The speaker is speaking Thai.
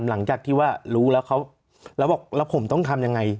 หลังจากที่ว่ารู้แล้วบอกแล้วผมต้องทำยังไง